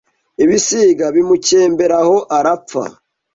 Ibisiga bimukembere aho arapfa